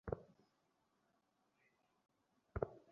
সুন্দর একটি রাত কাটান - তোমাকে দেখে ভালো লাগছে।